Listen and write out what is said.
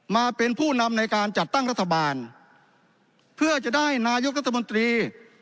มาเป็นผู้นำในการจัดตั้งรัฐบาลเพื่อจะได้นายกรัฐมนตรี